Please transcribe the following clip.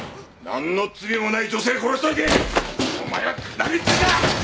なんの罪もない女性殺しておいてお前は何言ってんだ！